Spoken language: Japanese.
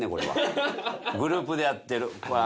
グループでやってる。